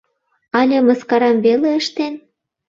— Але мыскарам веле ыштен?»